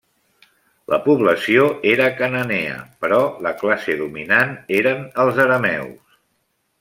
La població era cananea però la classe dominant eren els arameus.